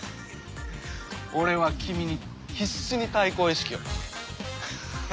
俺はキミに必死に対抗意識を。